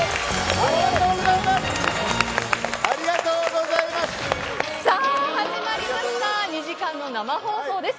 おめでとうございます。